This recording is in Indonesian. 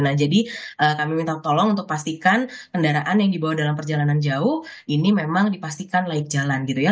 nah jadi kami minta tolong untuk pastikan kendaraan yang dibawa dalam perjalanan jauh ini memang dipastikan laik jalan gitu ya